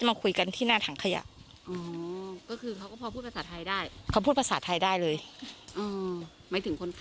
อ๋อหมายถึงคนฆ่าใช่ไหม